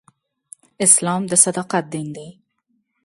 اسلام د صداقت دین دی.